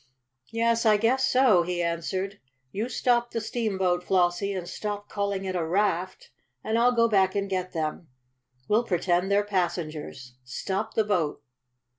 "Yes, I guess so," he answered. "You stop the steamboat, Flossie and stop calling it a raft and I'll go back and get them. We'll pretend they're passengers. Stop the boat!"